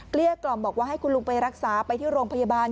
เกี้ยกล่อมบอกว่าให้คุณลุงไปรักษาไปที่โรงพยาบาล